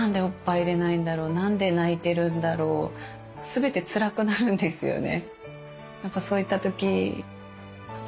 全てつらくなるんですよね。